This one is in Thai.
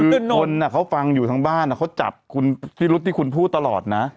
คือคนเขาฟังอยู่ทั้งบ้านเขาจับคุณพิรุษที่คุณพูดตลอดนะ